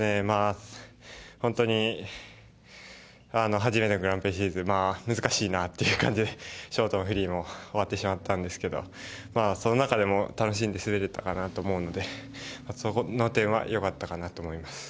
本当に初めてのグランプリシリーズで難しいなっていう感じでショートもフリーも終わってしまったんですけどその中でも楽しんで滑れたかなと思うのでその点は良かったかなと思います。